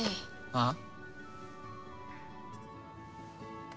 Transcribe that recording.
ああ？